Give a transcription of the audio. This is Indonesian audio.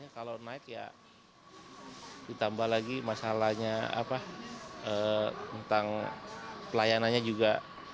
kalau naik ya ditambah lagi masalahnya tentang pelayanannya juga